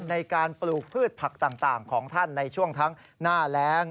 ในการปลูกพืชผักต่างของท่านในช่วงทั้งหน้าแรง